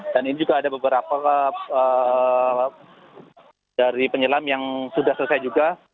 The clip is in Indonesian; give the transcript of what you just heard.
dan ini juga ada beberapa dari penyelam yang sudah selesai juga